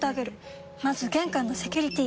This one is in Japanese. まず玄関のセキュリティ！